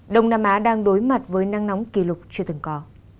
đông nam á đang đối mặt với nắng nóng kỷ lục chưa từng có